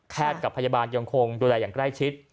กับพยาบาลยังคงดูแลอย่างใกล้ชิด